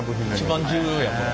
一番重要やこれ。